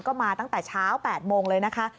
ก็มาตั้งแต่เช้า๘โมงเลยนะคะ